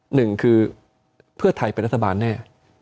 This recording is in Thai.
หนึ่งคือเพื่อไทยเป็นรัฐบาลแน่